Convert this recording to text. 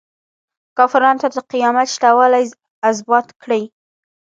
کافرانو ته د قیامت شته والی ازبات کړي.